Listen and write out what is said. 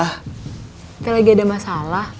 saya lagi ada masalah